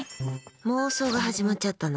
妄想が始まっちゃったな。